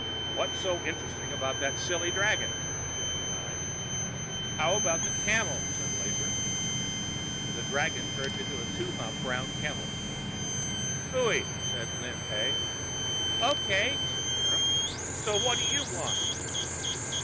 "What's so interesting about that silly dragon?" said Brunei. "How about the camel?" said Lazar. The dragon turned into the two humped brown camel. "Phooey!" said Lin Pey. "O.K.," said Vera, "so what do you want?"